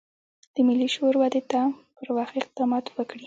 د ملي شعور ودې ته پر وخت اقدامات وکړي.